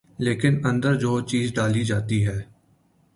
لیکن اندر جو چیز ڈالی جاتی ہے۔